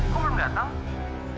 kamu belum datang